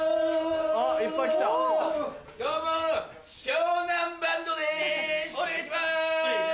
お願いします！